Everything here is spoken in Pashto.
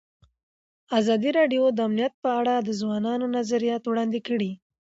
ازادي راډیو د امنیت په اړه د ځوانانو نظریات وړاندې کړي.